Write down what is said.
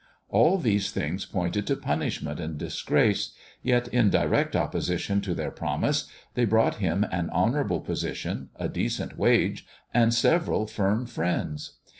All these things pointed to punishment and disgrace ; yet, in direct opposition to their promise, they brought him an honourable position, a decent wage, and several firm friends.